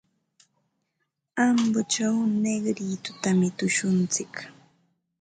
Ambochaw Negritotami tushuntsik.